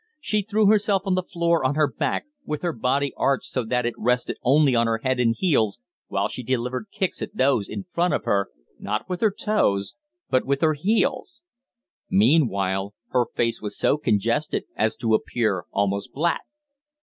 She threw herself on the floor on her back, with her body arched so that it rested only on her head and heels, while she delivered kicks at those in front of her, not with her toes, but with her heels. Meanwhile her face was so congested as to appear almost black.